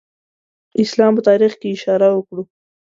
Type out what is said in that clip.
اسلام په تاریخ کې اشاره وکړو.